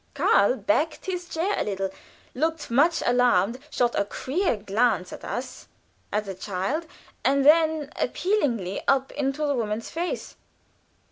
Karl backed his chair a little, looked much alarmed, shot a queer glance at us, at the child, and then appealingly up into the woman's face.